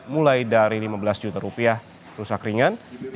mulai dari lima belas juta rupiah rusak ringan